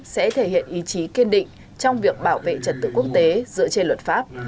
sẽ thể hiện ý chí kiên định trong việc bảo vệ trật tự quốc tế dựa trên luật pháp